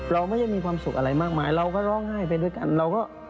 เราไม่ได้มีความสุขอะไรมากมายเราก็ร้องไห้ไปด้วยกันเราก็